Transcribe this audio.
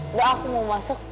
gue mau masuk